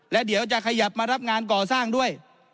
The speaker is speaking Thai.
และเดี๋ยวจะขยับมารับงานก่อสร้างด้วย